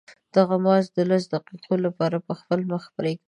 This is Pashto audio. دغه ماسک د لسو دقیقو لپاره په خپل مخ پرېږدئ.